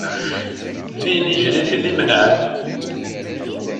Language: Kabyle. D inijel i t-id-imenɛen.